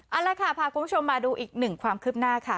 เอาละค่ะพาคุณผู้ชมมาดูอีกหนึ่งความคืบหน้าค่ะ